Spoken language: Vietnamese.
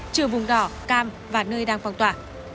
trừ vùng đỏ cam và nơi đang phong tỏa